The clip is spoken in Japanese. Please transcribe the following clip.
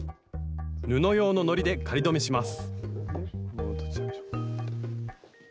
布用ののりで仮留めします